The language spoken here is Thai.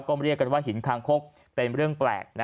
ก็เรียกกันว่าหินคางคกเป็นเรื่องแปลก